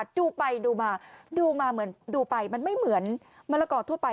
ดูไปดูมามันไม่เหมือนมะละกอทั่วไป